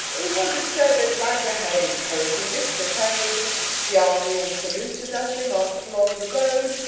Who was it said, 'There's land ahead?' Encouraging Mr. Toad! "The army all saluted As they marched along the road.